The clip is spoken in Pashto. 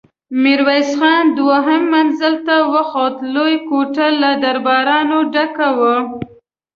ميرويس خان دوهم منزل ته وخوت، لويه کوټه له درباريانو ډکه وه.